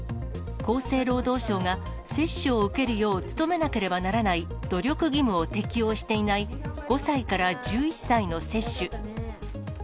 厚生労働省が、接種を受けるよう努めなければならない努力義務を適用していない、５歳から１１歳の接種。